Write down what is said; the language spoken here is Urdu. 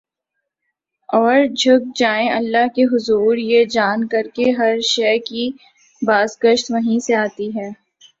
اور جھک جائیں اللہ کے حضور یہ جان کر کہ ہر شے کی باز گشت وہیں سے آتی ہے ۔